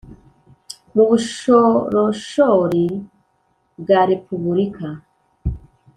mu bushoroshori bwa repubulika